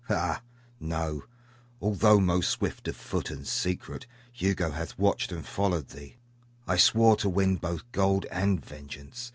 Ah, no; although most swift of foot and secret, Hugo hath watched and followed thee. I swore to win both gold and vengeance.